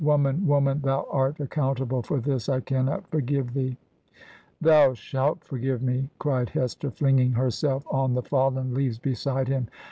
Woman, woman, thou art ac countable for this I I cannot forgive theel' 'Thou shalt forgive me I' cried Hester, flinging herself on the fallen leaves beside him.